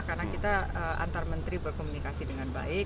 karena kita antar menteri berkomunikasi dengan baik